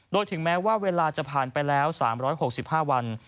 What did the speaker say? โดยถึงแม้ว่าเวลาจะผ่านไปแล้ว๓๖๕วัน